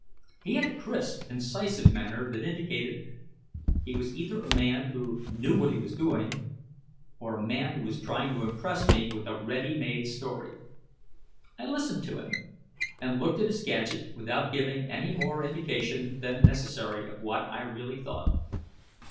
He had a crisp, incisive manner that indicated he was either a man who knew what he was doing or a man who was trying to impress me with a ready made story. I listened to him and looked at his gadget without giving any more indication than necessary of what I really thought.